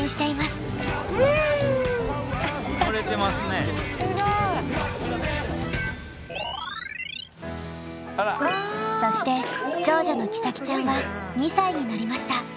すごい！そして長女の希咲ちゃんは２歳になりました。